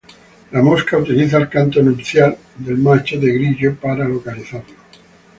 La mosca utiliza el canto nupcial del macho de grillo para localizarlo.